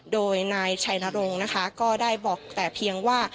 โดยนายชายนโรงก็ได้บอกแต่เพียงว่า